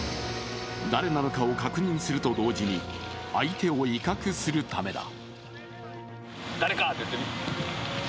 誰なのかを確認すると同時に相手を威嚇するためだ。